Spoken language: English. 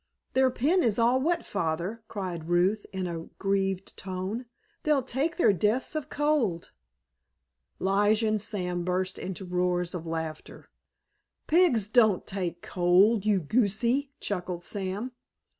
"Their pen is all wet, Father," cried Ruth in a grieved tone; "they'll take their deaths of cold." Lige and Sam burst into roars of laughter. "Pigs don't take cold, you goosie!" chuckled Sam.